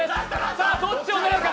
さあ、どっちを狙うか。